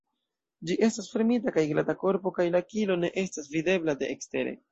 Ĝi estas fermita kaj glata korpo kaj la kilo ne estas videbla de ekstere.